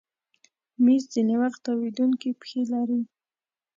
مېز ځینې وخت تاوېدونکی پښې لري.